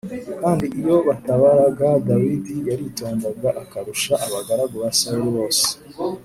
kandi iyo batabaraga Dawidi yaritondaga akarusha abagaragu ba Sawuli bose